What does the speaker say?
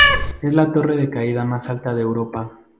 Es la torre de caída más alta de Europa.